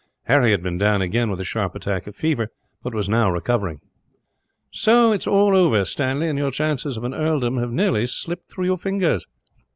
Harry had been down again, with a sharp attack of fever, but was now recovering. "So it is all over, Stanley, and your chances of an earldom have nearly slipped through your fingers."